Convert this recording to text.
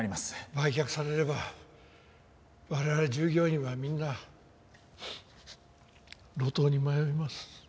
売却されれば我々従業員はみんな路頭に迷います。